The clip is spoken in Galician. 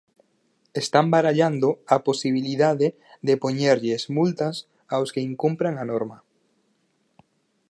Están barallando a posibilidade de poñerlles multas aos que incumpran a norma.